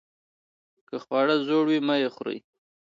که خواړه زوړ وي مه یې خورئ.